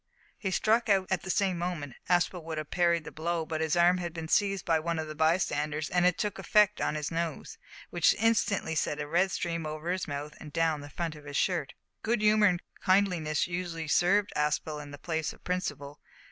He struck out at the same moment. Aspel would have parried the blow, but his arm had been seized by one of the bystanders, and it took effect on his nose, which instantly sent a red stream over his mouth and down the front of his shirt. Good humour and kindliness usually served Aspel in the place of principle.